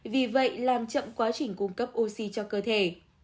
vì vậy làm chậm quá trình cung cấp oxy cho cơ thể